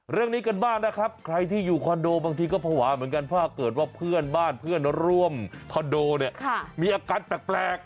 เรื่องนี้กันบ้างนะครับใครที่อยู่คอนโดบางทีก็ภาวะเหมือนกันถ้าเกิดว่าเพื่อนบ้านเพื่อนร่วมคอนโดเนี่ยมีอาการแปลก